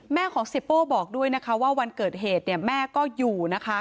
แม่ของเสียโป้บอกด้วยนะคะว่าวันเกิดเหตุเนี่ยแม่ก็อยู่นะคะ